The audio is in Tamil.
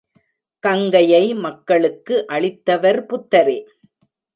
கங்கையை மக்களுக்கு அளித்தவர் புத்தரே.